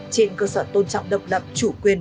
trên cơ sở tôn trọng độc lập chủ quyền